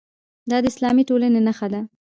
دا د اسلامي ټولنې نښه ده.